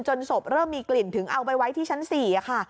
ศพเริ่มมีกลิ่นถึงเอาไปไว้ที่ชั้น๔ค่ะ